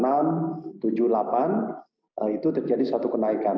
dan itu terjadi satu kenaikan